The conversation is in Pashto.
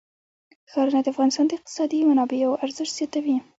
ښارونه د افغانستان د اقتصادي منابعو ارزښت زیاتوي.